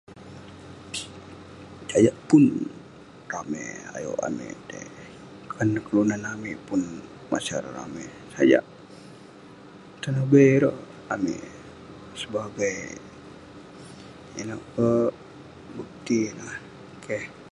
sajak pun ramey ayuk amik tai, kan kelunan amik pun masa ireh ramey.. sajak tenobai ireh amik sebagai inouk, bukti neh..keh.